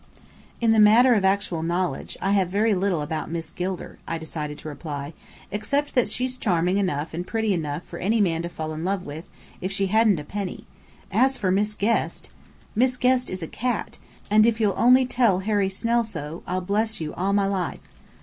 "In the matter of actual knowledge, I have very little about Miss Gilder," I decided to reply, "except that she's charming enough and pretty enough for any man to fall in love with, if she hadn't a penny. As for Miss Guest" "Miss Guest is a cat! And if only you'll tell Harry Snell so, I'll bless you all my life."